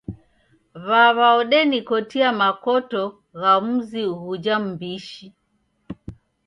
W'aw'a odenikotia makoto gha muzi ughuja m'mbishi.